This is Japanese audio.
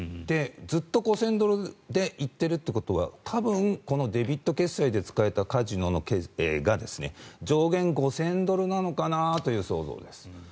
ずっと５０００ドルで行ってるってことは多分、このデビット決済で使えたカジノが上限５０００ドルなのかなという想像です。